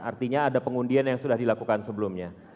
artinya ada pengundian yang sudah dilakukan sebelumnya